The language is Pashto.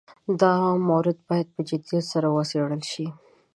دا مورد باید په جدیت سره وڅېړل شي.